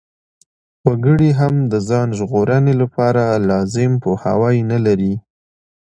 وګړي هم د ځان ژغورنې لپاره لازم پوهاوی نلري.